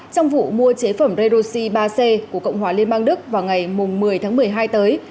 trong vụ mua chế phẩm redoxi ba c của cộng hòa liên bang đức vào ngày một mươi tháng một mươi hai tới